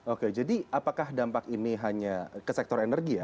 oke jadi apakah dampak ini hanya ke sektor energi ya